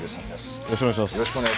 よろしくお願いします。